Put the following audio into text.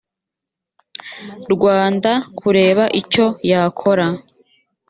rwanda kureba icyo yakora